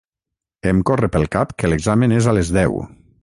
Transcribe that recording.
Em corre pel cap que l'examen és a les deu.